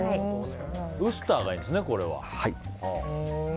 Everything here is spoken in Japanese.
ウスターがいいんですね、これは。